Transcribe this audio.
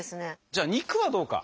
じゃあ肉はどうか？